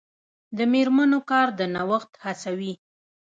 د میرمنو کار د نوښت هڅوي.